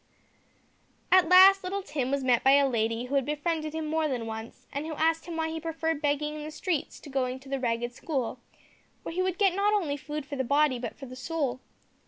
At last little Tim was met by a lady who had befriended him more than once, and who asked him why he preferred begging in the streets to going to the ragged school, where he would get not only food for the body, but for the soul.